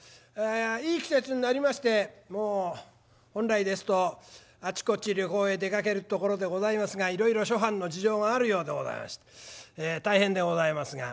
いい季節になりましてもう本来ですとあちこち旅行へ出かけるところでございますがいろいろ諸般の事情があるようでございまして大変でございますが。